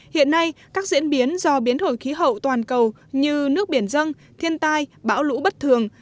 hiện nay các diễn biến do biến đổi khí hậu toàn cầu như nước biển dân thiên tai bão lũ bất thường